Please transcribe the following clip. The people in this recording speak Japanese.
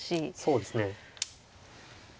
そうですね。